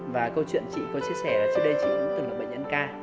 và câu chuyện chị có chia sẻ là trước đây chị cũng từng là bệnh nhân ca